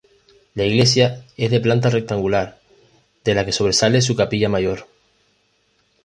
La iglesia es de planta rectangular, de la que sobresale su capilla mayor.